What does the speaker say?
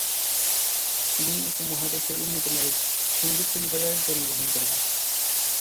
তিনি উপমহাদেশের অন্যতম এক সঙ্গীত পরিবারে জন্মগ্রহণ করেন।